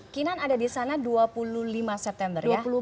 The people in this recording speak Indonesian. kinan ada di sana dua puluh lima september ya